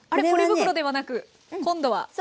ポリ袋ではなく今度は。